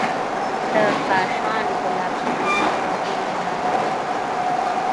د کاشان ګلابخانه د بوی نړۍ ده.